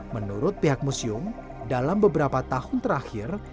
menurut pihak museum dalam beberapa tahun terakhir